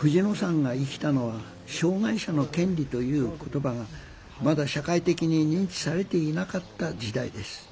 藤野さんが生きたのは「障害者の権利」という言葉がまだ社会的に認知されていなかった時代です。